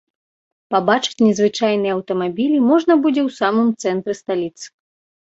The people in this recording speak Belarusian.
Пабачыць незвычайныя аўтамабілі можна будзе ў самым цэнтры сталіцы.